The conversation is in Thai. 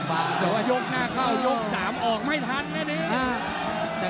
เจ้าเจ้ายกหน้าเข้ายก๓ออกไม่ทันในซึ่ง